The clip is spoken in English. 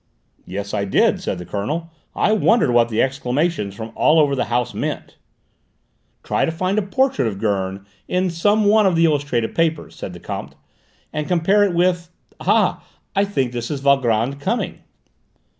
"Yes, I did," said the Colonel; "I wondered what the exclamations from all over the house meant." "Try to find a portrait of Gurn in some one of the illustrated papers," said the Comte, "and compare it with Ah, I think this is Valgrand coming!"